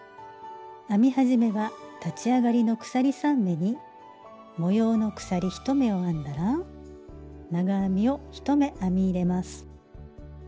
編み始めは立ち上がりの鎖３目に模様の鎖１目を編んだら長編みを１目編み入れます。